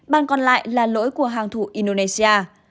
bàn còn lại là lỗi của hàng thủ indonesia